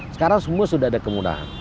sekarang semua sudah ada kemudahan